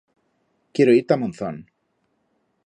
Quiero ir ta Monzón.